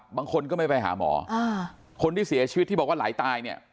บางคนก็ไม่ไปหาหมอคนที่เสียชีวิตที่บอกว่าไหลตายเนี่ย